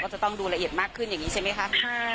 จะต้องดูละเอียดมากขึ้นอย่างนี้ใช่ไหมคะ